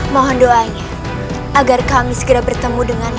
mohon doanya agar kami segera bertemu dengan